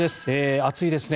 暑いですね。